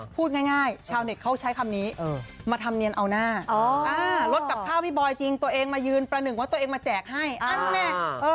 พูดง่ายชาวเน็ตเขาใช้คำนี้มาทำเนียนเอาหน้ารถกับข้าวพี่บอยจริงตัวเองมายืนประหนึ่งว่าตัวเองมาแจกให้อันแน่